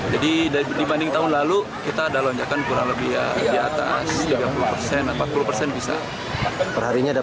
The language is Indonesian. jadi dibanding tahun lalu kita ada lonjakan kurang lebih di atas tiga puluh persen empat puluh persen bisa